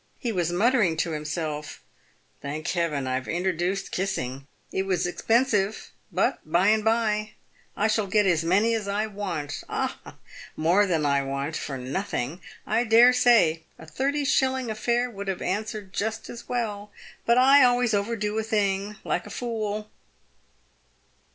He was muttering to himself, "Thank Heaven, I've introduced kiss ing ! It was expensive, but by and by I shall get as many as I want — ah! more than I want — for nothing. I dare say a thirty shilling affair would have answered just as well ; but I always overdo a thW, like a fool."